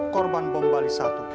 korban bumpali satu